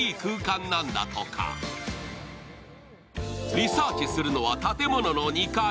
リサーチするのは建物の２階。